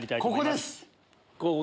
ここです！